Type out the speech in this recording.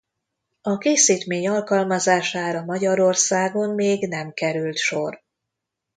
A készítmény alkalmazására Magyarországon még nem került sor.